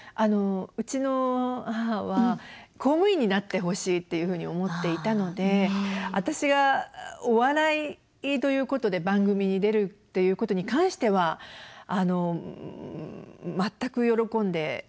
うちの母は公務員になってほしいっていうふうに思っていたので私がお笑いということで番組に出るっていうことに関しては全く喜んでいなかったと思いますね。